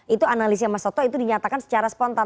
itu analisnya mas toto itu dinyatakan secara spontan